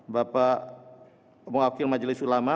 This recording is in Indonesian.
bapak wakil majelis ulama